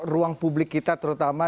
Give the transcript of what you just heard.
ruang publik kita terutama